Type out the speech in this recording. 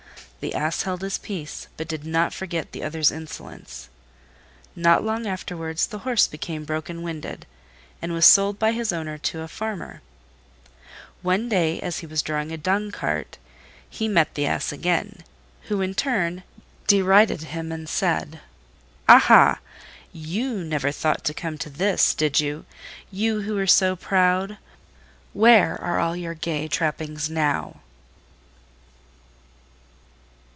The Ass held his peace, but did not forget the other's insolence. Not long afterwards the Horse became broken winded, and was sold by his owner to a farmer. One day, as he was drawing a dung cart, he met the Ass again, who in turn derided him and said, "Aha! you never thought to come to this, did you, you who were so proud! Where are all your gay trappings now?"